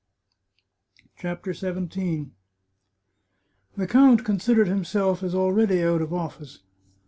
CHAPTER XVII The count considered himself as already out of office.